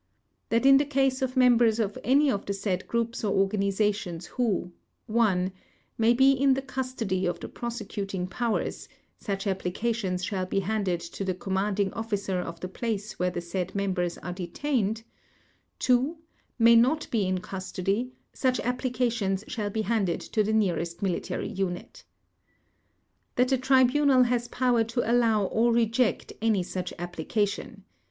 THAT in the case of members of any of the said groups or organizations who (i) may be in the custody of the prosecuting powers, such applications shall be handed to the Commanding Officer of the place where the said members are detained; (ii) may not be in custody, such applications shall be handed to the nearest military unit. THAT the Tribunal has power to allow or reject any such application.